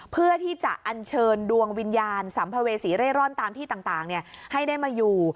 เพื่อที่จะอัญเชิญดวงวิญญาณสัมภเวษีเร่ร่อนตามที่ต่างให้ได้มาอยู่